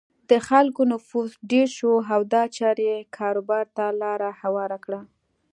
د خلکو نفوس ډېر شو او دا چارې کاروبار ته لاره هواره کړه.